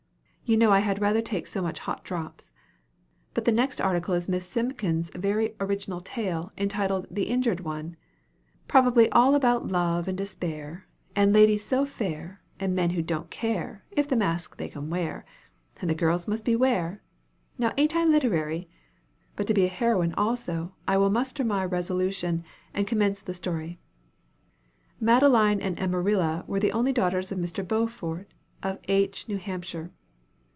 You know I had rather take so much hot drops. But the next article is Miss Simpkins's very original tale, entitled 'The Injured One,' probably all about love and despair, and ladies so fair, and men who don't care, if the mask they can wear, and the girls must beware. Now ain't I literary? But to be a heroine also, I will muster my resolution, and commence the story: "'Madeline and Emerilla were the only daughters of Mr. Beaufort, of H., New Hampshire.'